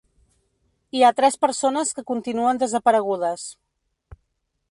Hi ha tres persones que continuen desaparegudes.